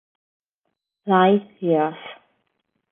Light Years